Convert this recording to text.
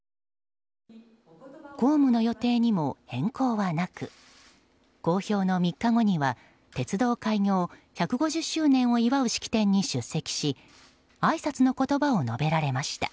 公務の予定にも変更はなく公表の３日後には鉄道開業１５０周年を祝う式典に出席しあいさつの言葉を述べられました。